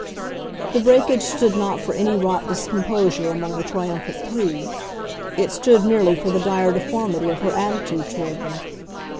The breakage stood not for any wrought discomposure among the triumphant three it stood merely for the dire deformity of her attitude toward them.